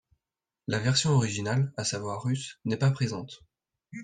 La version originale, à savoir russe, n'est pas présente.